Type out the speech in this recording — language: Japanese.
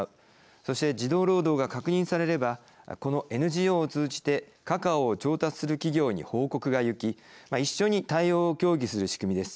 そして児童労働が確認されればこのＮＧＯを通じてカカオを調達する企業に報告がゆき一緒に対応を協議する仕組みです。